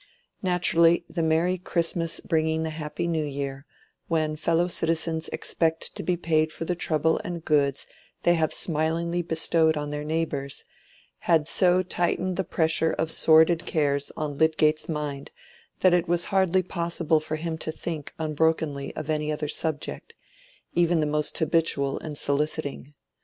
Naturally, the merry Christmas bringing the happy New Year, when fellow citizens expect to be paid for the trouble and goods they have smilingly bestowed on their neighbors, had so tightened the pressure of sordid cares on Lydgate's mind that it was hardly possible for him to think unbrokenly of any other subject, even the most habitual and soliciting.